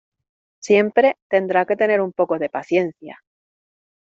siempre tendrá que tener un poco de paciencia